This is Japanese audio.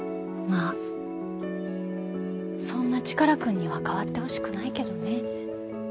まあそんなチカラくんには変わってほしくないけどね。